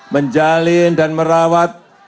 menjalin dan merawat